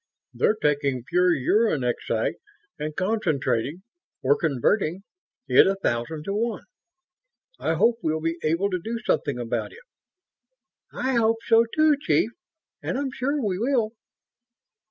They're taking pure uranexite and concentrating or converting it a thousand to one. I hope we'll be able to do something about it." "I hope so, too, Chief; and I'm sure we will."